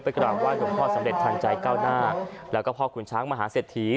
ไปกระว่างว่าหยุดพ่อสำเร็จทันใจเก้าหน้าแล้วก็พ่อขุนช้างมหาเสร็จถี